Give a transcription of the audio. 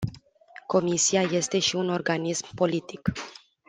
Comisia este și un organism politic.